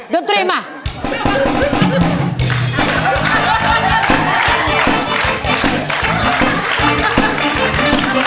ดนตรีมา